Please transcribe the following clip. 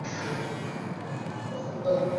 এখন তো মনে হচ্ছে, কাজটা আমাকে আরও অনেক দিন করতে হবে।